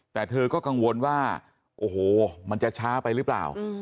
แต่เธอก็กังวลว่าโอ้โหมันจะช้าไปหรือเปล่า